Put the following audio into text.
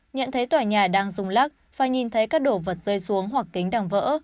nhận thấy tòa nhà đang dùng lắc và nhìn thấy các đồ vật rơi xuống hoặc kính đang vỡ